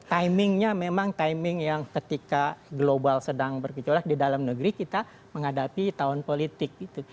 timingnya memang timing yang ketika global sedang bergecolak di dalam negeri kita menghadapi tahun politik gitu